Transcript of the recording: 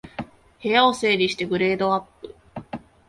部屋を整理してグレードアップ